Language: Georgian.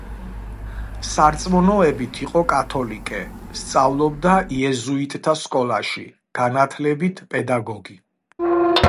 სარწმუნოებით იყო კათოლიკე, სწავლობდა იეზუიტთა სკოლაში, განათლებით პედაგოგი.